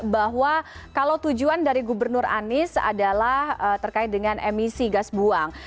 bahwa kalau tujuan dari gubernur anies adalah terkait dengan emisi gas buang